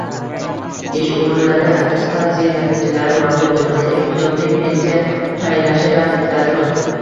Ish o‘rinlari attestatsiya natijalari mavjud bo‘lmasa, imtiyozli pensiya tayinlashi rad etiladimi?